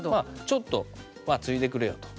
ちょっとまあついでくれよと。